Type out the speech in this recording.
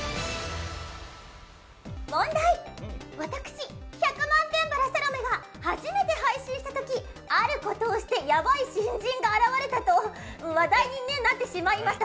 問題、私、壱百満天原サロメが初めて配信した時あることをしてやばい新人が現れたと話題になってしまいました。